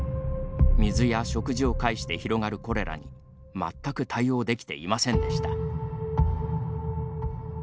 水や食事を介して広がるコレラに全く対応できていませんでした。